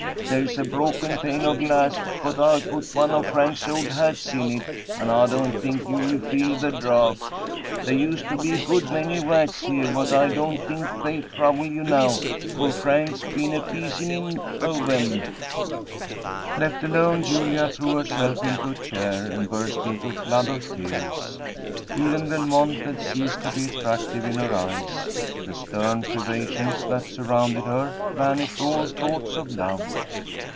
There's a broken pane of glass, but I've put one of Frank's old hats in it, and I don't think you'll feel the draught. There used to be a good many rats here, but I don't think they'll trouble you now, for Frank's been a pizinin' of 'em." Left alone, Julia threw herself into a chair, and burst into a flood of tears. Even Belmont had ceased to be attractive in her eyes the stern privations that surrounded her banished all thoughts of love.